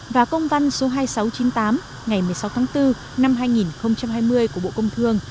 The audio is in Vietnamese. và công văn số hai nghìn sáu trăm chín mươi tám ngày một mươi sáu tháng bốn năm hai nghìn hai mươi của bộ công thương